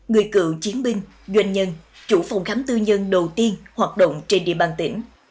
người cựu chiến binh doanh nhân chủ phòng khám tư nhân đầu tiên hoạt động trên địa bàn tỉnh